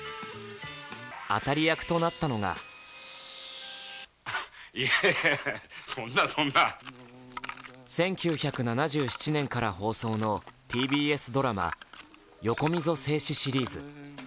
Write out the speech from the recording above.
当たり役となったのが１９７７年から放送のＴＢＳドラマ「横溝正史シリーズ」。